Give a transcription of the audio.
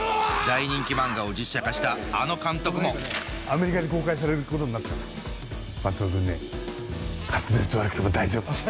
大人気漫画を実写化したあの監督もアメリカで公開されることになったから松戸君ね滑舌悪くても大丈夫。